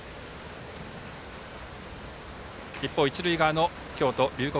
一方、一塁側の京都・龍谷